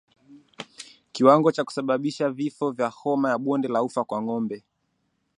Kiwango cha kusababisha vifo vya homa ya bonde la ufa kwa ngombe